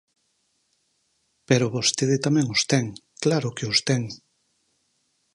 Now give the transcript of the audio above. Pero vostede tamén os ten, claro que os ten.